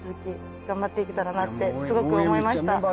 すごく思いました。